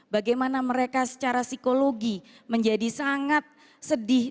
bagaimana mereka secara psikologi menjadi sangat sedih